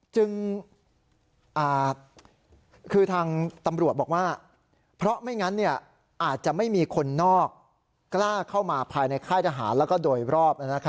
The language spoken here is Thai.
จึงคือทางตำรวจบอกว่าเพราะไม่งั้นอาจจะไม่มีคนนอกกล้าเข้ามาภายในค่ายทหารแล้วก็โดยรอบ